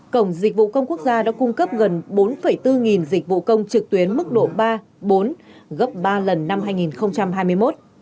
cổng dịch vụ công quốc gia đã cung cấp gần bốn bốn nghìn dịch vụ công trực tuyến mức độ ba bốn gấp ba lần năm hai nghìn hai mươi một